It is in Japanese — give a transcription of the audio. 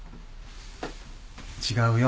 違うよ。